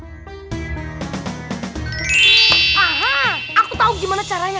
aha aku tau gimana caranya